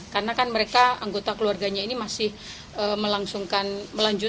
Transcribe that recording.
karena kan mereka anggota keluarganya ini masih melangsungkan